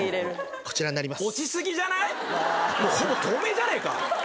こちらになります。